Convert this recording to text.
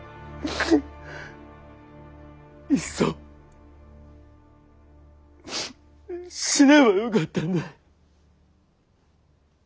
いっそ死ねばよかったんだい。